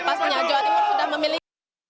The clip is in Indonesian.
pastinya jawa timur sudah memiliki